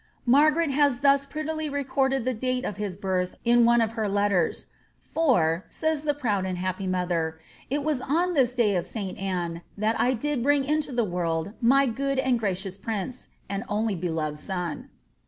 Mamret has thus prettily recorded the date of his birth in one of her letters,* <^ For,^' says tne proud and happy mother, ^ it was on this day of St Anne that I did bring into the worid my good and gracious prince, and only beloved son."